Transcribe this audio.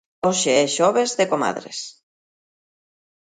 Hoxe é Xoves de Comadres.